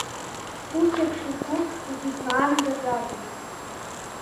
Усеиԥш лгәы егьызлаанагаӡазеи!